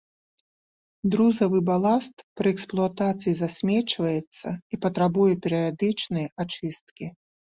Друзавы баласт пры эксплуатацыі засмечваецца і патрабуе перыядычнай ачысткі.